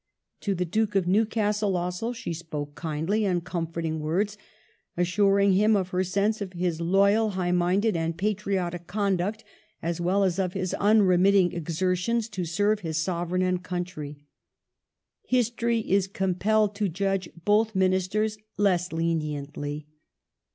To the Duke of Newcastle also she spoke kindly and comforting words, assuring him of her sense of his *Moyal, high minded and patriotic conduct as well as of his unremitting exertions to serve his Sovereign and country ".^ History is compelled to judge both ministers less leniently.